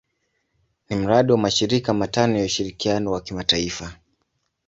Ni mradi wa mashirika matano ya ushirikiano wa kimataifa.